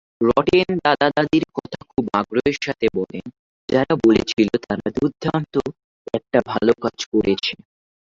Rotten দাদা-দাদীর কথা খুব আগ্রহের সাথে বলেন, যারা বলেছিল, "তারা দুর্দান্ত একটা ভালো কাজ করেছে।"